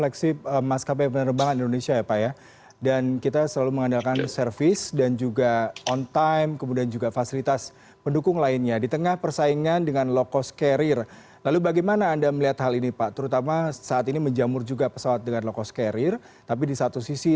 kedepan kita juga sangat percaya diri dengan hasil dari pkpu ini